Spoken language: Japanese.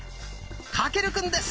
翔くんです！